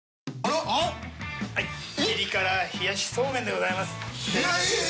ピリ辛冷やしそうめんでございます。